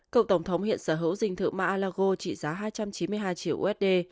cựu tổng thống hiện sở hữu dinh thự mar a lago trị giá hai trăm chín mươi hai triệu usd